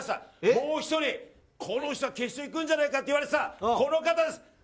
もう１人決勝にいくんじゃないかと言われていた、この方です。